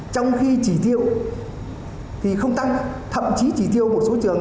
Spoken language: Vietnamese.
trong khi chỉ thiêu thì không tăng thậm chí chỉ thiêu một số trường